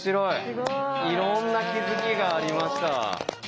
いろんな気づきがありました。